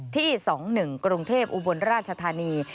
ที่๒๑กรุงเทพอุบลราชธานี